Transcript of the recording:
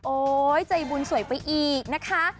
ใจบุญสวยไปอีกนะคะ